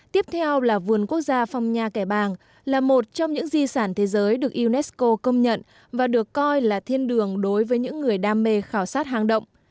tiếp theo là vườn quốc gia phong nha kẻ bàng là một trong những di sản thế giới được unesco công nhận và được coi là thiên đường đối với những người đam mê khảo sát hàng động